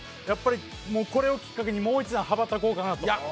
これをきっかけにもう一段羽ばたこうかなと。